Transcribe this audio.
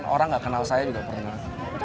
orang gak kenal saya juga pernah